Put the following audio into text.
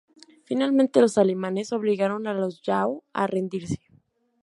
Finalmente los alemanes obligaron a los yao a rendirse.